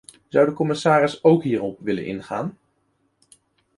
Zou de commissaris ook hierop willen ingaan?